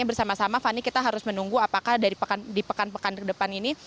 jadi bersama sama fani kita harus menunggu apakah di pekan pekan ke depan ini